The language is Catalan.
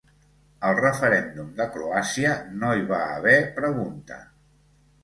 Al referèndum de Croàcia no hi va haver pregunta.